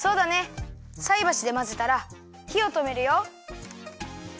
さいばしでまぜたらひをとめるよ。